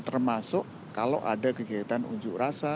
termasuk kalau ada kegiatan unjuk rasa